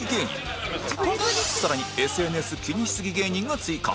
更に ＳＮＳ 気にしすぎ芸人が追加